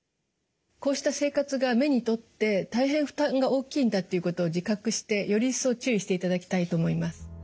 こうした生活が目にとって大変負担が大きいんだっていうことを自覚してより一層注意していただきたいと思います。